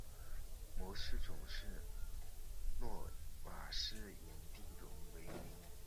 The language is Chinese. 模式种是诺瓦斯颜地龙为名。